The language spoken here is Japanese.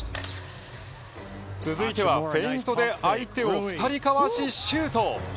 続いてはフェイントで相手を２人かわしシュートへ。